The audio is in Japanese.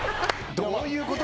どういうこと？